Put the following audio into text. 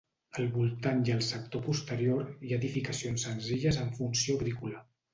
A voltant i al sector posterior hi ha edificacions senzilles amb funció agrícola.